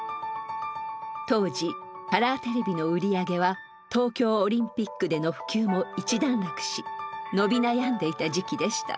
当時カラーテレビの売り上げは東京オリンピックでの普及も一段落し伸び悩んでいた時期でした。